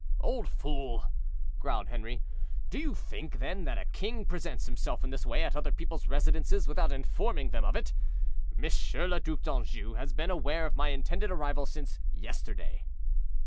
"Old fool," growled Henri, "do you think, then, that a king presents himself in this way at other people's residences without informing them of it? Monsieur le Duc d'Anjou has been aware of my intended arrival since yesterday."